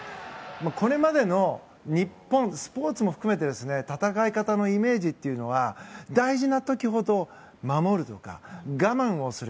これまでの日本スポーツも含めて戦い方のイメージというのは大事な時ほど、守るとか我慢をする。